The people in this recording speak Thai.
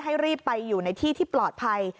ให้รีบไปอยู่ในที่ที่ปลอดภัย